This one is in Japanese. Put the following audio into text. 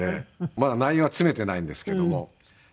まだ内容は詰めてないんですけども。